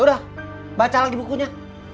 udah baca lagi bukunya